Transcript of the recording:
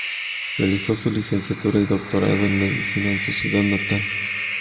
Realizó su licenciatura y doctorado en medicina en su ciudad natal.